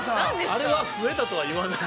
◆あれはふえたとは言わない。